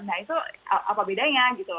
nah itu apa bedanya gitu loh